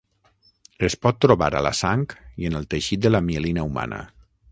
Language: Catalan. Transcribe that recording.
Es pot trobar a la sang i en el teixit de la mielina humana.